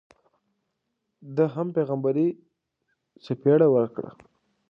ده هم پیغمبري څپېړه ورکړه.